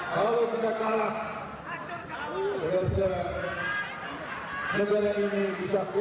kalau kita kalah